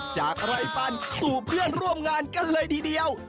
จากไร่ฟันสู่เพื่อนร่วมงานกันเลยทีเดียว